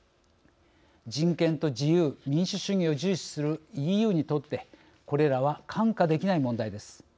人権と自由、民主主義を重視するＥＵにとってこれらは看過できない問題です。